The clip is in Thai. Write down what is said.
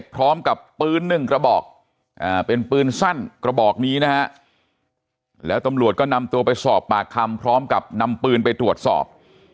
พร้อมกับปืนหนึ่งกระบอกเป็นปืนสั้นกระบอกนี้นะฮะแล้วตำรวจก็นำตัวไปสอบปากคำพร้อมกับนำปืนไปตรวจสอบ